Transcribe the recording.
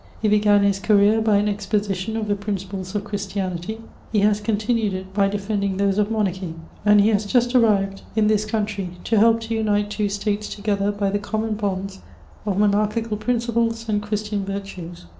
He began his career by an exposition of the principles of Chrisdanity ; he has continued it by defendiog diose of monardiy ; and he has just arrived in this country, to hdp to unite two states together by the oommoii* bonds of monaxdii<»l principles and Christian virtues.''